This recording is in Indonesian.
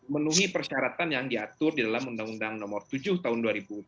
menuhi persyaratan yang diatur di dalam undang undang nomor tujuh tahun dua ribu tujuh belas